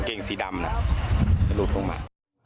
เกงสีดำน่ะจะหลุดลงมา